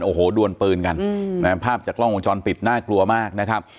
โอ้โหดวนปืนกันภาพจากกล้องวงจรปิดน่ากลัวมากนะครับ